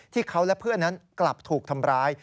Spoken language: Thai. ที่เขาและเพื่อนนั้นกลับถูกทำร้าย